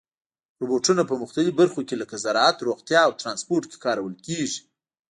روبوټونه په مختلفو برخو کې لکه زراعت، روغتیا او ترانسپورت کې کارول کېږي.